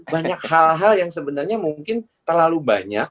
banyak hal hal yang sebenarnya mungkin terlalu banyak